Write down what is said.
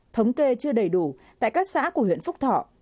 thống kê chưa đầy đủ tại các xã của huyện phúc thọ